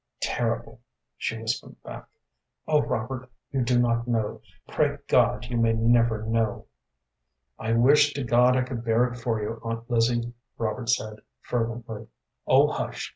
"Terrible," she whispered back. "Oh, Robert, you do not know; pray God you may never know." "I wish to God I could bear it for you, Aunt Lizzie," Robert said, fervently. "Oh, hush!